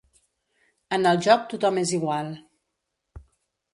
En el joc tothom és igual.